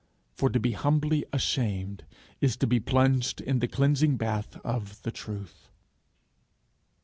For to be humbly ashamed is to be plunged in the cleansing bath of the truth.